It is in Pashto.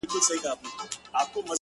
ژوند ټوله پند دی،